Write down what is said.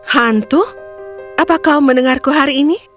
hantu apa kau mendengarku hari ini